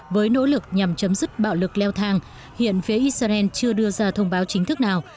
với nỗ lực nhằm chấm dứt bạo lực leo thang hiện phía israel chưa đưa ra thông báo chính thức nào